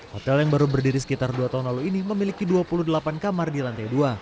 hotel yang baru berdiri sekitar dua tahun lalu ini memiliki dua puluh delapan kamar di lantai dua